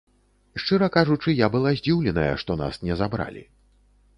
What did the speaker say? Шчыра кажучы, я была здзіўленая, што нас не забралі.